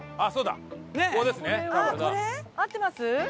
合ってます？